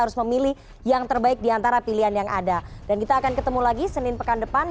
harus memilih yang terbaik diantara pilihan yang ada dan kita akan ketemu lagi senin pekan depan